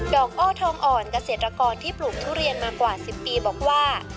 อ้อทองอ่อนเกษตรกรที่ปลูกทุเรียนมากว่า๑๐ปีบอกว่า